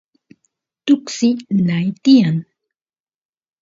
tuksi nay tiyan